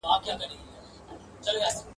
په تورونو کي سل ګونه تپېدله !.